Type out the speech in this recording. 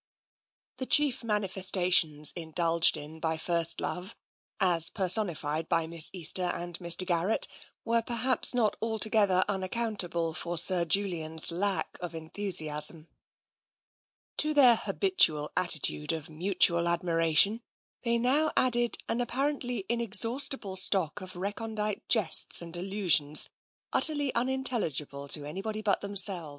" The chief manifestations indulged in by first love, as personified by Miss Easter and Mr. Garrett, were perhaps not altogether unaccountable for Sir Julian's lack of enthusiasm. To their habitual attitude of mutual admiration they now added an apparently inexhaustible stock of recondite jests and allusions utterly unintelligible to anybody but themselves.